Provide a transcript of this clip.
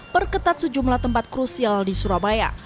perketat sejumlah tempat krusial di surabaya